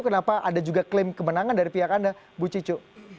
kenapa ada juga klaim kemenangan dari pihak anda bu cicu